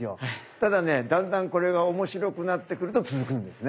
ただねだんだんこれが面白くなってくると続くんですね。